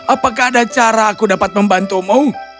apakah ada cara aku dapat membantumu